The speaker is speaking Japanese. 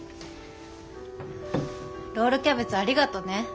ロールキャベツありがとね。